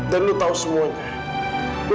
dan lo tau semuanya